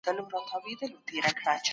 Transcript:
سرمایه داري د حرص او طمعې نوم دی.